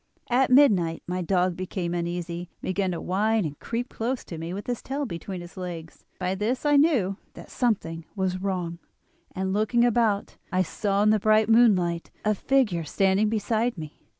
At midnight my dog became uneasy, and began to whine and creep close to me with his tail between his legs; by this I knew that something was wrong, and, looking about, I saw in the bright moonlight a figure standing beside me.